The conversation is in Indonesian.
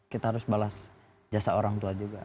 kita harus balas jasa orang tua juga